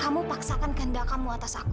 kamu paksakan kendakamu